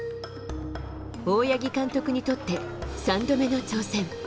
大八木監督にとって、３度目の挑戦。